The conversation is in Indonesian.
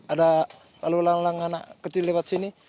ada lalu lang lang anak kecil lewat sini